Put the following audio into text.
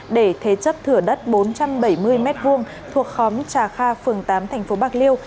để thế chất thửa đất bốn trăm bảy mươi m hai thuộc khóm trà kha phường tám thành phố bạc liêu